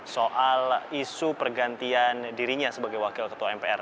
soal isu pergantian dirinya sebagai wakil ketua mpr